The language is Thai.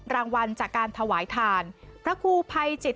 รางวัลจากการถวายทานพระครูภัยจิต